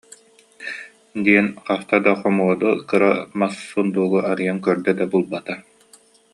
диэн хаста да хомуоду, кыра мас сундуугу арыйан көрдө да булбата